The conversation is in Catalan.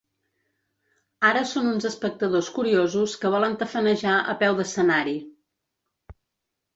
Ara són uns espectadors curiosos que volen tafanejar a peu d'escenari.